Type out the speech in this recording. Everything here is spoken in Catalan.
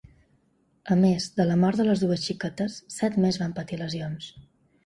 A més, de la mort de les dues xiquetes, set més van patir lesions.